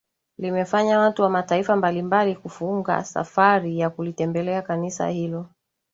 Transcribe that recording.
Limefanya watu wa Mataifa mbali mbali kufunga safari ya kulitembelea kanisa hilo